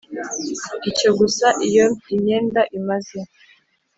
icyo gusa Iyo imyenda imaze